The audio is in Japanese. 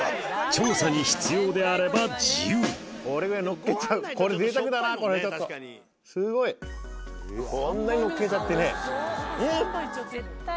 調査に必要であれば自由これぐらいのっけちゃうこれ贅沢だなちょっとすごいこんなにのっけちゃってねうん！